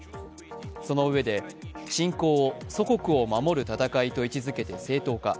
そのうえで侵攻を祖国を守る戦いと位置づけて正当化。